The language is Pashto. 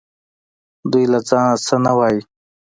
دوی له ځانه څه نه وايي